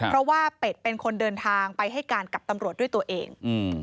เพราะว่าเป็ดเป็นคนเดินทางไปให้การกับตำรวจด้วยตัวเอง